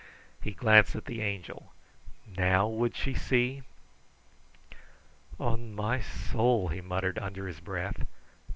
He glanced at the Angel. NOW would she see? "On my soul!" he muttered under his breath.